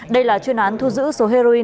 đây là chuyên án thu giữ số heroin